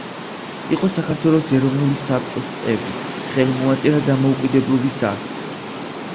იყო საქართველოს ეროვნული საბჭოს წევრი, ხელი მოაწერა დამოუკიდებლობის აქტს.